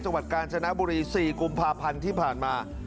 จังหวัดกาญจนบุรี๔กุมภาพันธ์ที่ผ่านมา